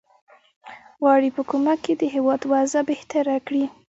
غواړي په کومک یې د هیواد وضع بهتره کړي.